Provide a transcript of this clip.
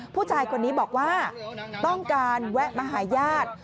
ผู้ชายคนนี้บอกว่าต้องการแวะมาหาญาติ